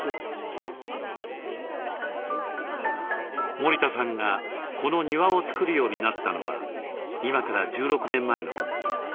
森田さんがこの庭をつくるようになったのは今から１６年前のこと。